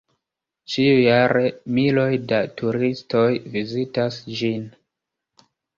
Ĉiujare miloj da turistoj vizitas ĝin.